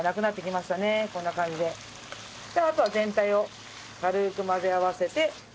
じゃああとは全体を軽くまぜ合わせて。